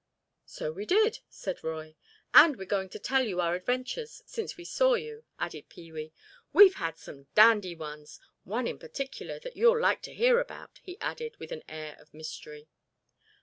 "So we did," said Roy. "And we're going to tell you our adventures since we saw you," added Pee wee. "We've had some dandy ones. One in particular that you'll like to hear about," he added, with an air of mystery.